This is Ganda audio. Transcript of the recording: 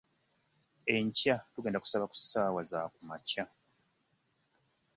Enkya tugenda kusaba ku saawa za kumakya.